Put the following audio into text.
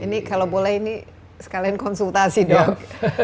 ini kalau boleh ini sekalian konsultasi dok